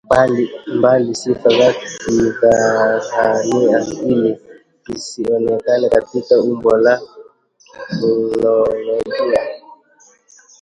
mbali sifa za kidhahania ili zisionekane katika umbo la kifonolojia